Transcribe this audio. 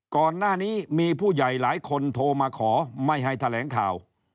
ก่อนหน้านี้มีผู้ใหญ่หลายคนโทรมาขอไม่ให้แถลงข่าว